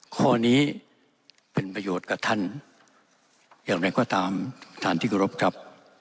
ข้อนี้เป็นประโยชน์กับท่านอย่างไรก็ตามท่านที่กรบครับ